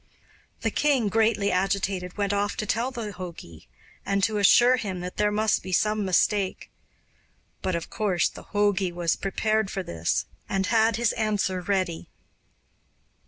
The king, greatly agitated, went off to tell the jogi, and to assure him that there must be some mistake. But of course the jogi was prepared for this, and had his answer ready.